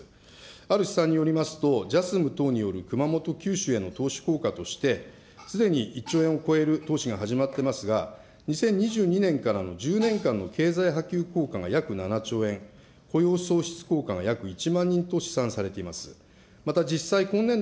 ある試算によりますと、ジャスム等による熊本、九州への投資効果としてすでに１兆円を超える投資が始まってますが、２０２２年からの１０年間の経済波及効果が約７兆円、雇用創出効果が約１万人と試算されています。